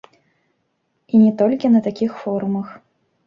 І не толькі на такіх форумах.